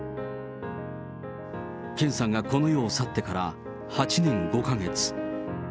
健さんがこの世を去ってから、８年５か月。